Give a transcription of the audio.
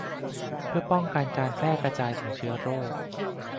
เพื่อป้องกันการแพร่กระจายของเชื้อโรค